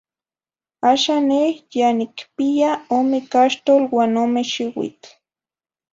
Axan neh ya nicpiya ome caxtol uan ome xiuitl.